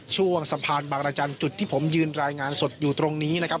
ช่วงสะพานบางรจันทร์จุดที่ผมยืนรายงานสดอยู่ตรงนี้นะครับ